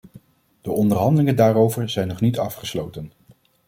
De onderhandelingen daarover zijn nog niet afgesloten.